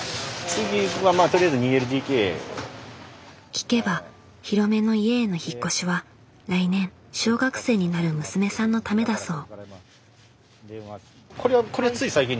聞けば広めの家への引っ越しは来年小学生になる娘さんのためだそう。